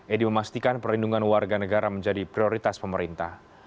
edi memastikan perlindungan warga negara menjadi prioritas pemerintah